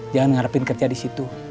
jangan ngarapin kerja di situ